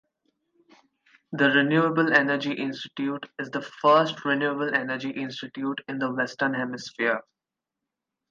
The Renewable Energy Institute is the first Renewable Energy Institute in the Western Hemisphere.